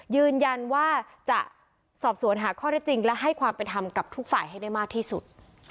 ยืนยันว่าจะสอบสวนหาข้อได้จริงและให้ความเป็นธรรมกับทุกฝ่ายให้ได้มากที่สุด